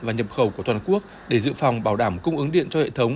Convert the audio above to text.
và nhập khẩu của toàn quốc để dự phòng bảo đảm cung ứng điện cho hệ thống